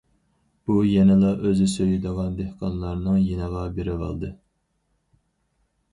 ئۇ يەنىلا ئۆزى سۆيىدىغان دېھقانلارنىڭ يېنىغا بېرىۋالدى.